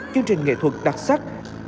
chương trình nghệ thuật đặc sắc